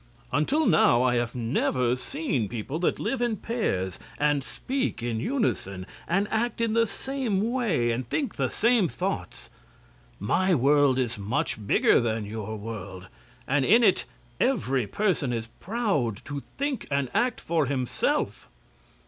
Until now I have never seen people that live in pairs, and speak in unison, and act in the same way and think the same thoughts. My world is much bigger than your world, and in it every person is proud to think and act for himself.